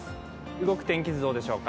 動く天気図、どうでしょうか。